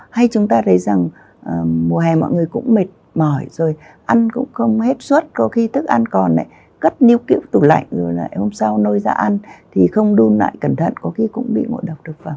hay chúng ta thấy rằng mùa hè mọi người cũng mệt mỏi rồi ăn cũng không hết suốt có khi thức ăn còn cất niu kiểu tủ lạnh rồi hôm sau nôi ra ăn thì không đun lại cẩn thận có khi cũng bị ngộ độc thực phẩm